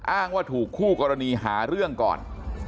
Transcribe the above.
อ้างว่าถูกคู่กรณีหาเรื่องก่อน